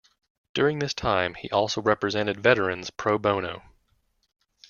During this time, he also represented veterans pro-bono.